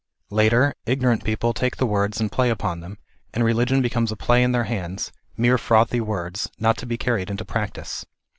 Later, ignorant people take the words and play upon them, and religion becomes a play in their hands, mere frothy words, not to be carried into practice.